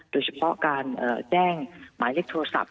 โดยเฉพาะการแจ้งหมายเลขโทรศัพท์